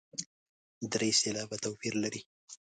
درې سېلابه توپیر لري.